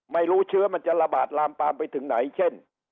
ไม่รู้เชื้อมันจะระบาดลามปามไปถึงไหนเช่น